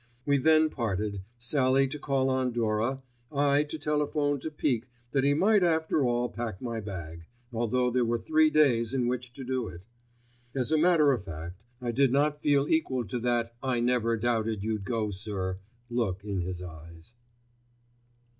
We then parted, Sallie to call on Dora, I to telephone to Peake that he might after all pack my bag, although there were three days in which to do it. As a matter of fact I did not feel equal to that I never doubted you'd go sir look in his eyes.